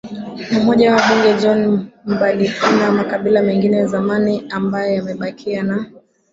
na mmoja wao Mbunge John MbadiKuna makabila mengine ya zamani ambayo yamebakia na